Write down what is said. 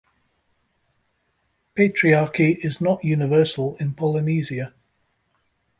Patriarchy is not universal in Polynesia.